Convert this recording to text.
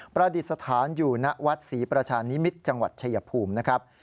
ประดิษฐานอยู่ณวัดศรีประชานิมิตรจังหวัดชายภูมินะครับ